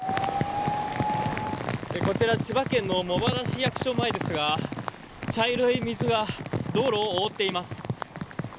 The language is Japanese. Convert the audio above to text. こちら千葉県の茂原市役所前ですが茶色い水が道路を覆っています。